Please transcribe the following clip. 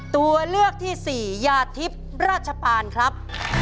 ตัวเลือกที่สี่ยาทิพย์ราชปานครับ